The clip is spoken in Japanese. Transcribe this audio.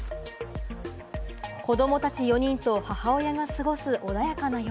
子どもたち４人と母親が過ごす穏やかな夜。